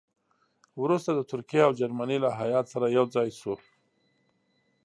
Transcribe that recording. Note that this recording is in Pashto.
وروسته د ترکیې او جرمني له هیات سره یو ځای شو.